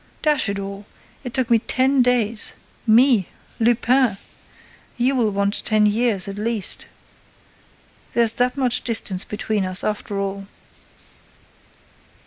Dash it all, it took me ten days! Me! Lupin! You will want ten years, at least! There's that much distance between us, after all!"